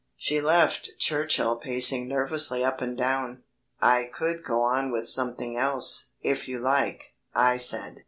She left Churchill pacing nervously up and down. "I could go on with something else, if you like," I said.